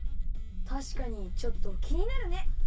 たしかにちょっときになるね！